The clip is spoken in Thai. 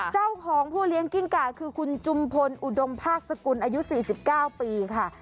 เจ้าของผู้เลี้ยงกิ้งกาคือคุณจุมพลอุดมภาคสกุลอายุ๔๙ปีค่ะ